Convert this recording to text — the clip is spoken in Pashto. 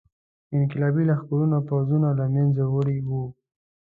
انقلابي لښکرو پوځونه له منځه وړي وو.